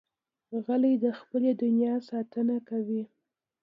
غلی، د خپلې دنیا ساتنه کوي.